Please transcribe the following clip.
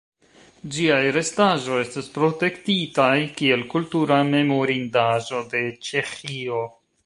Ĝiaj restaĵoj estas protektitaj kiel kultura memorindaĵo de Ĉeĥio.